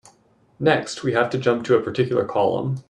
Next, we have to jump to a particular column.